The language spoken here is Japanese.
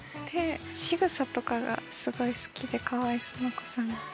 しぐさとかがすごい好きで河合その子さんの。